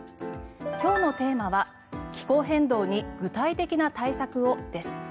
今日のテーマは「気候変動に具体的な対策を」です。